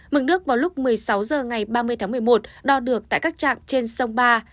mực nước vào lúc một mươi sáu h ngày ba mươi tháng một mươi một đo được tại các trạm trên sông ba